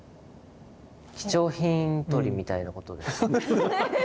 貴重品取りみたいなことですか？